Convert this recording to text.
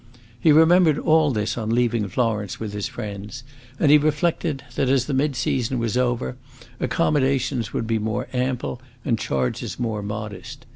He remembered all this on leaving Florence with his friends, and he reflected that, as the midseason was over, accommodations would be more ample, and charges more modest.